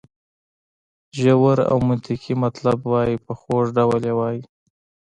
ژور او منطقي مطلب وایي په خوږ ډول یې وایي.